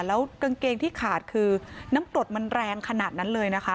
แล้วกางเกงที่ขาดคือน้ำกรดมันแรงขนาดนั้นเลยนะคะ